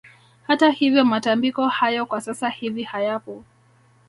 Hata hivyo matambiko hayo kwa sasa hivi hayapo